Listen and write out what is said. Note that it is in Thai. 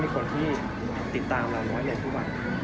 คนที่ติดตามเราน้อยในทุกวัน